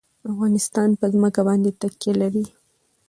افغانستان په ځمکه باندې تکیه لري.